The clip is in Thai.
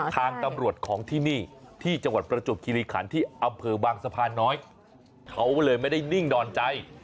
ทางตำรวจของที่นี่ที่จังหวัดประจวบคิริขันที่อำเภอบางสะพานน้อยเขาเลยไม่ได้นิ่งนอนใจ